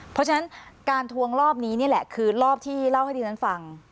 เพราะฉะนั้นการทวงรอบนี้นี่แหละคือรอบที่เล่าให้ดิฉันฟัง